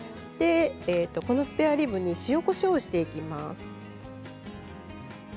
スペアリブに塩、こしょうをしていきます。